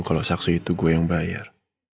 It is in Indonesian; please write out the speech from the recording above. kalau saksi itu gue yang bayar